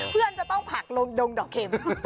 เพื่อนจะต้องผักลงดงดอกเข็ม